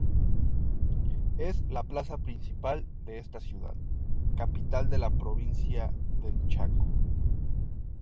Es la plaza principal de esta ciudad, capital de la Provincia del Chaco.